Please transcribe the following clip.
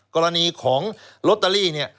กรณีของลอตเตอรี่เนี่ย